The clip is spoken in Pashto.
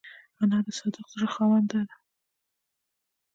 انا د صادق زړه خاوند ده